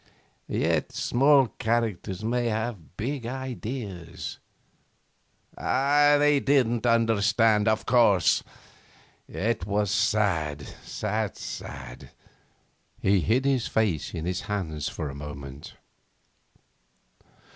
Yet small characters may have big ideas.... They didn't understand, of course.... It was sad, sad, sad.' He hid his face in his hands a moment.